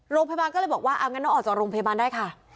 โรงพยาบาลก็เลยบอกว่าเอางั้นน้องออกจากโรงพยาบาลได้ค่ะ